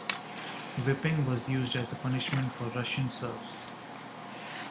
Whipping was used as a punishment for Russian serfs.